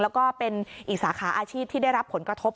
แล้วก็เป็นอีกสาขาอาชีพที่ได้รับผลกระทบ